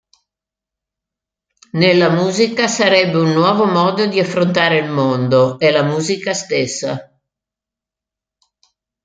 Nella musica sarebbe un nuovo modo di affrontare il mondo e la musica stessa.